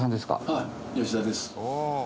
はい吉田です。